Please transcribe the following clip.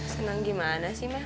senang gimana sih me